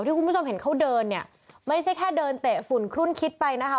ที่คุณผู้ชมเห็นเขาเดินเนี่ยไม่ใช่แค่เดินเตะฝุ่นคลุ่นคิดไปนะคะ